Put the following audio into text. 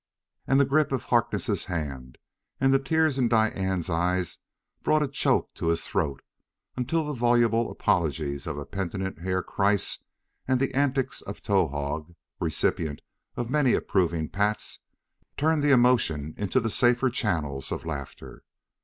And the grip of Harkness' hand, and the tears in Diane's eyes brought a choke to his throat until the voluble apologies of a penitent Herr Kreiss and the antics of a Towahg, recipient of many approving pats, turned the emotion into the safer channel of laughter.